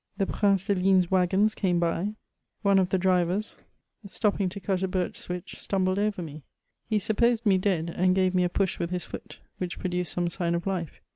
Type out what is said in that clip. The Prince de ligne's waggons came by; one of the i drivers, stopping to cut a birch switch, stumbled over me ; he / supposed me dead, and gave me a push with his foot, which I produced some sign of life.